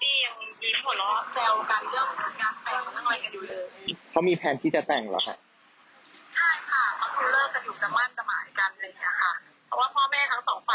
อ๋อเพราะว่าทำธุรกิจด้วยกันอะไรอย่างนี้หรอครับ